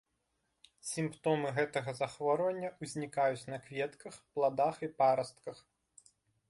Сімптомы гэтага захворвання ўзнікаюць на кветках, пладах і парастках.